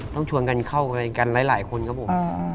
ต้องชวนกันเข้าไปกันหลายคนครับผม